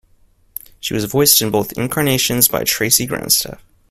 She was voiced in both incarnations by Tracy Grandstaff.